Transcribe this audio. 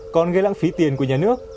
còn gây lãng phí tiền của nhà nước